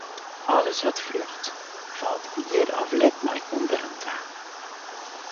Alles wat fljocht, falt ier of let nei ûnderen ta.